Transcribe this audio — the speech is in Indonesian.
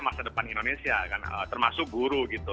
masa depan indonesia kan termasuk guru gitu